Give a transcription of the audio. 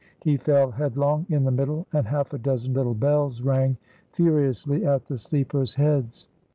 He fell headlong in the middle, and half a dozen little bells rang furiously at the sleepers' heads.